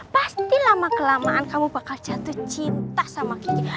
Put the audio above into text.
pasti lama kelamaan kamu bakal jatuh cinta sama gigi